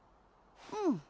うん。